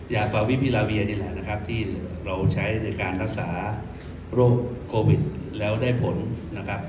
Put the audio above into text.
ฟาวิพิราเวียนี่แหละนะครับที่เราใช้ในการรักษาโรคโควิดแล้วได้ผลนะครับ